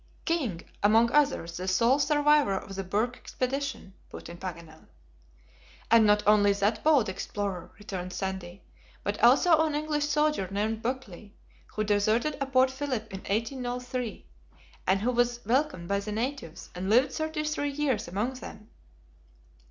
"King, among others, the sole survivor of the Burke expedition," put in Paganel. "And not only that bold explorer," returned Sandy, "but also an English soldier named Buckley, who deserted at Port Philip in 1803, and who was welcomed by the natives, and lived thirty three years among them."